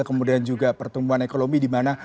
kemudian juga pertumbuhan ekonomi di mana